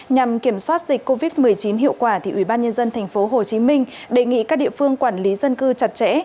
nhằm kiểm soát dịch covid một mươi chín hiệu quả ủy ban nhân dân tp hcm đề nghị các địa phương quản lý dân cư chặt chẽ